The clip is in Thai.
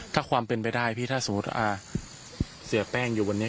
ถ้าความเป็นไปได้พี่ถ้าสมมุติเสียแป้งอยู่บนนี้